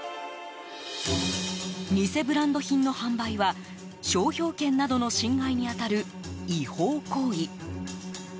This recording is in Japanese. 偽ブランド品の販売は商標権などの侵害に当たる違法行為。